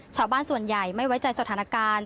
ชาวบ้านส่วนใหญ่ไม่ไว้ใจสถานการณ์